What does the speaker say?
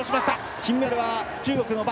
金メダルは中国の馬。